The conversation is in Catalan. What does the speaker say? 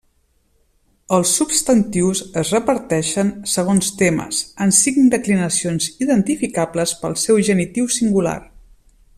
Els substantius es reparteixen, segons temes, en cinc declinacions identificables pel seu genitiu singular.